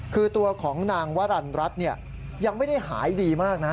คือตัวของนางวรรณรัฐยังไม่ได้หายดีมากนะ